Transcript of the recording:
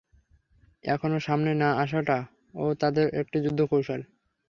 এখনও সামনে না আসাটাও তাদের একটি যুদ্ধ-কৌশল।